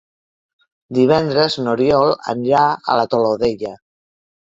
Divendres n'Oriol anirà a la Todolella.